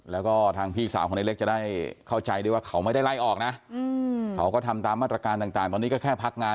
แล้วก็ทางพี่สาวก็จะได้เข้าใจด้วยว่าเขาไม่ได้ไล่ออกนะ